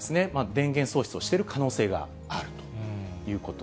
電源喪失をしている可能性があるということ。